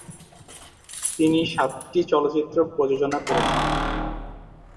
তিনি সাতটি চলচ্চিত্র প্রযোজনা করেছেন।